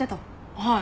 はい。